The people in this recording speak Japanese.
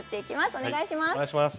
お願いします。